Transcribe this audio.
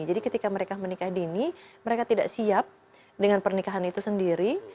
jadi ketika mereka menikah dini mereka tidak siap dengan pernikahan itu sendiri